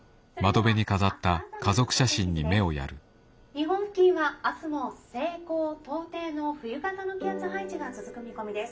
日本付近は明日も西高東低の冬型の気圧配置が続く見込みです。